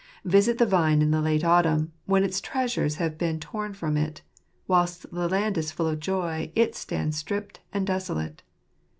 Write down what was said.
Visit the vine in the late autumn, when its treasure's have been tom from it. Whilst the land is full of joy it stands stripped and desolate.